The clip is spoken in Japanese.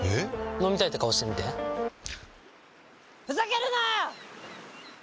飲みたいって顔してみてふざけるなー！